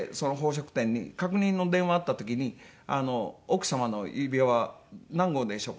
確認の電話あった時に「奥様の指輪は何号でしょうか？」